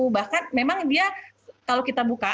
bahkan memang dia kalau kita buka